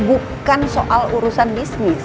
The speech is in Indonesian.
bukan soal urusan bisnis